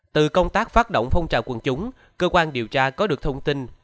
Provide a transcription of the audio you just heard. từ công tác phát động phong trào quân chúng cơ quan điều tra có được thông tin